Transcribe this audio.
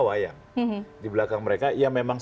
wayang di belakang mereka ya memang